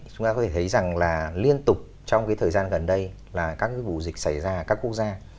chúng ta có thể thấy rằng là liên tục trong cái thời gian gần đây là các cái vụ dịch xảy ra ở các quốc gia